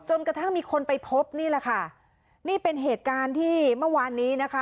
กระทั่งมีคนไปพบนี่แหละค่ะนี่เป็นเหตุการณ์ที่เมื่อวานนี้นะคะ